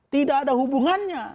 tidak ada hubungannya